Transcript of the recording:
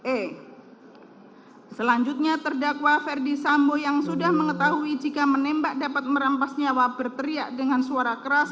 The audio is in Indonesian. e selanjutnya terdakwa ferdi sambo yang sudah mengetahui jika menembak dapat merampas nyawa berteriak dengan suara keras